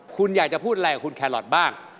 คุณอยากจะพูดอะไรกับคุณแครอทบ้าง